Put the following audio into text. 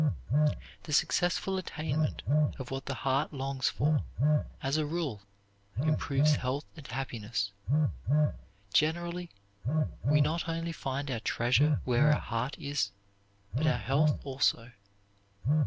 The successful attainment of what the heart longs for, as a rule, improves health and happiness. Generally we not only find our treasure where our heart is, but our health also.